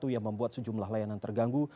yang membuat sejumlah layanan terganggu